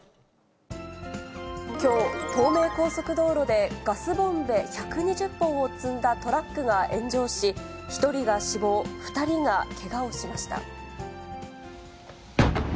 きょう、東名高速道路でガスボンベ１２０本を積んだトラックが炎上し、１人が死亡、２人がけがをしました。